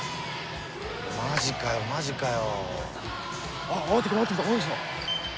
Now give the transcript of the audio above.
マジかよマジかよ。